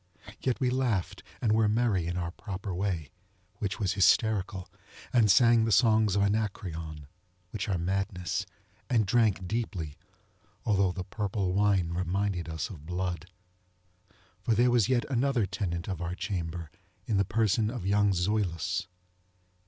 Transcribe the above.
Yet we laughed and were merry in our proper wayŌĆöwhich was hysterical; and sang the songs of AnacreonŌĆöwhich are madness; and drank deeplyŌĆöalthough the purple wine reminded us of blood. For there was yet another tenant of our chamber in the person of young Zoilus.